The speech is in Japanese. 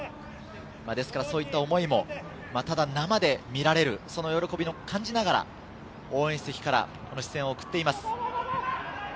そういった思いもただ生で見られる、その喜びを感じながら応援席から視線を送っています。